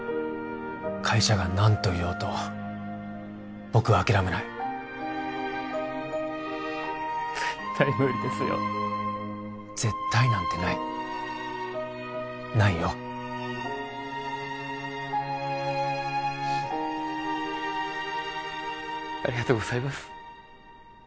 会社が何と言おうと僕は諦めない絶対無理ですよ「絶対」なんてないないよありがとうございます